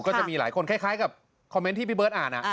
ก็จะมีหลายคนคล้ายกับคอมเมนต์ที่พี่เบิร์ตอ่าน